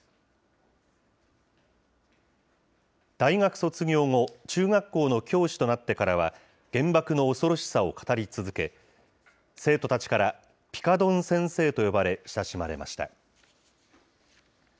大学卒業後、中学校の教師となってからは、原爆の恐ろしさを語り続け、生徒たちから、ピカドン先生と呼ばれ、親しまれました。